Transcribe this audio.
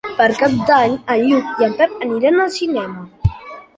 Per Cap d'Any en Lluc i en Pep aniran al cinema.